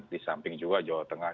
di samping juga jawa tengah